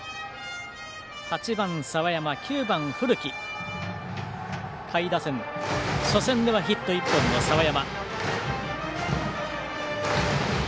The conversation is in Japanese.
８番、澤山９番、古木下位打線、初戦ではヒット１本の澤山。